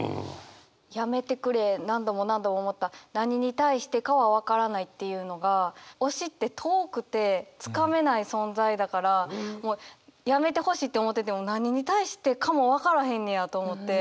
「やめてくれ、何度も、何度も思った、何に対してかはわからない」っていうのが推しって遠くてつかめない存在だからもうやめてほしいって思ってても何に対してかもわからへんねやと思って。